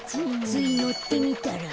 ついのってみたら。